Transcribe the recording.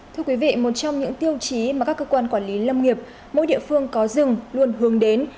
thưa quý vị một trong những tiêu chí mà các cơ quan quản lý lâm nghiệp mỗi địa phương có rừng luôn hướng đến